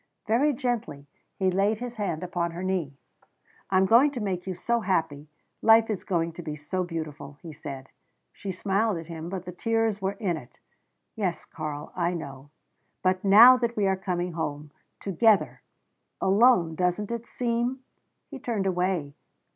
Very gently he laid his hand upon her knee. "I am going to make you so happy. Life is going to be so beautiful," he said. She smiled at him, but the tears were in it. "Yes, Karl I know. But now that we are coming home together alone, doesn't it seem " He turned away.